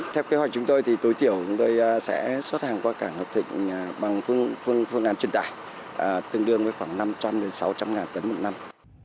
theo kế hoạch chúng tôi thì tối thiểu chúng tôi sẽ xuất hàng qua cảng hợp thịnh bằng phương án truyền tải tương đương với khoảng năm trăm linh sáu trăm linh ngàn tấn một năm